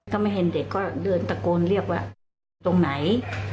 ไม่เห็นเด็กก็เดินตะโกนเรียกว่าอยู่ตรงไหน